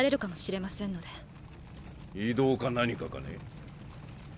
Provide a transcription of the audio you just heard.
異動か何かかね？